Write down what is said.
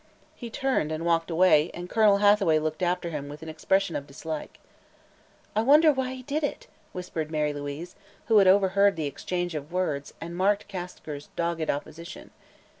He turned and walked away and Colonel Hathaway looked after him with an expression of dislike. "I wonder why he did it?" whispered Mary Louise, who had overheard the exchange of words and marked Kasker's dogged opposition.